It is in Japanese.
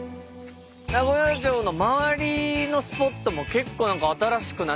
名古屋城の周りのスポットも結構何か新しくなって。